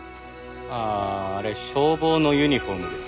あああれ消防のユニホームです。